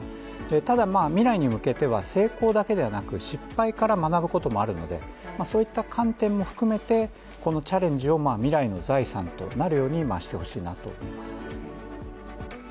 ただ未来に向けては成功だけではなく失敗から学ぶこともあるのでそういった観点も含めてこのチャレンジを未来の財産となるようにしてほしいと思います